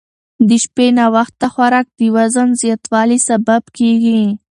د شپې ناوخته خوراک د وزن زیاتوالي سبب کېږي.